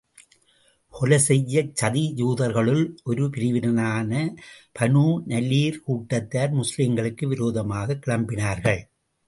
கொலை செய்யச் சதி யூதர்களுள் ஒரு பிரிவினரான பனூ நலீர் கூட்டத்தார் முஸ்லிம்களுக்கு விரோதமாகக் கிளம்பினார்கள்.